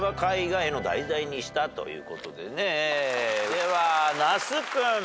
では那須君。